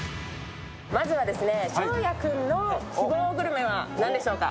まずは翔也君の希望グルメは何でしょうか。